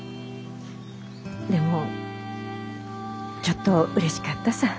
でもちょっとうれしかったさぁ。